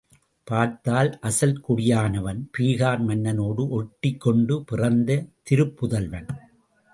பார்த்தால் அசல் குடியானவன், பீகார் மண்ணோடு ஒட்டிக்கொண்டு பிறந்த திருப்புதல்வன்.